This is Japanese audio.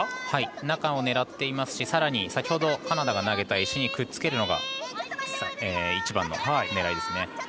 はい、中を狙っていますしさらに、先ほどカナダが投げた石にくっつけるのが一番の狙いですね。